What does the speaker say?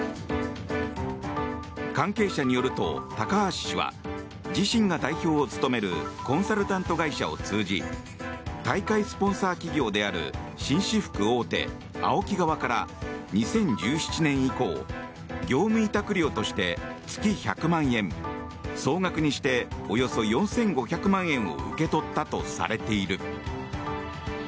関係者によると高橋氏は自身が代表を務めるコンサルタント会社を通じ大会スポンサー企業である紳士服大手ＡＯＫＩ側から２０１７年以降業務委託料として月１００万円総額にしておよそ４５００万円を受け取ったとされている。